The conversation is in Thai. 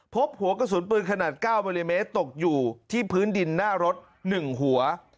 พบหัวกระสุนปืนขนาด๙มิลลิเมตรตกอยู่ที่พื้นดินหน้ารถ๑หัว